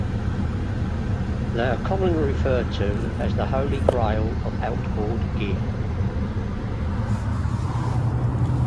They are commonly referred to as the "holy grail" of outboard gear.